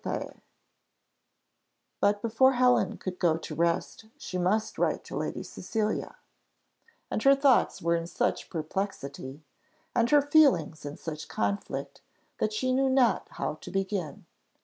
_" But before Helen could go to rest, she must write to Lady Cecilia, and her thoughts were in such perplexity, and her feelings in such conflict, that she knew not how to begin.